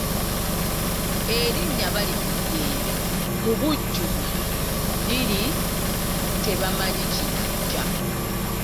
Erinnya Balikuddembe mubujjuvu liri Tebamanya kinajja.